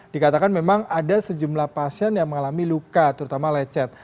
dikatakan memang ada sejumlah pasien yang mengalami luka terutama lecet